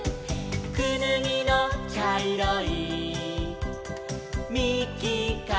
「くぬぎのちゃいろいみきからは」